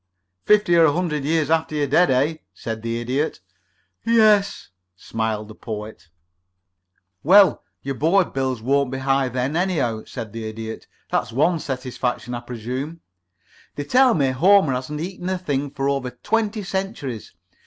"Fifty or a hundred years after you're dead, eh?" said the Idiot. "Yes," smiled the Poet. "Well your board bills won't be high then, anyhow," said the Idiot. "That's one satisfaction, I presume. They tell me Homer hasn't eaten a thing for over twenty centuries.